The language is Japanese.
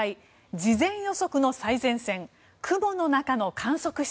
事前予測の最前線雲の中の観測室。